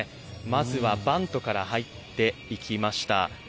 まずは、バントから入っていきました。